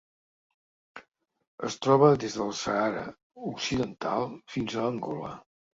Es troba des del Sàhara Occidental fins a Angola.